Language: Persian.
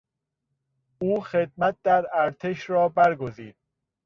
او خدمت در ارتش را برگزید.